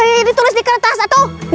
ini tulis di kertas tuh